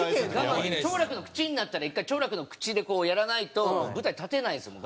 兆楽の口になったら１回兆楽の口でやらないと舞台立てないんですよ